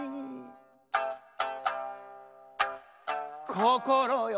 「こころよ」